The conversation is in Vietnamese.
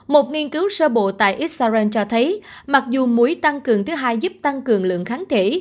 một nghiên cứu sơ bộ tại israel cho thấy mặc dù mũi tăng cường thứ hai giúp tăng cường lượng kháng thể